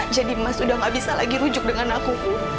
jadi mas udah gak bisa lagi rujuk dengan aku